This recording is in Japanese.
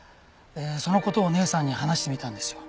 その事を姉さんに話してみたんですよ。